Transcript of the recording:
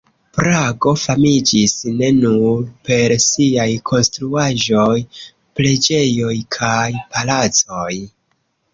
Prago famiĝis ne nur per siaj konstruaĵoj, preĝejoj kaj palacoj.